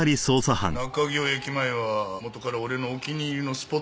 中京駅前は元から俺のお気に入りのスポットなの。